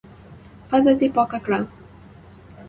پزه دي پاکه کړه!